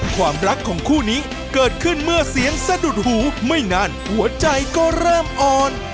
ความรักของคู่นี้เกิดขึ้นเมื่อเสียงสะดุดหูไม่นานหัวใจก็เริ่มอ่อน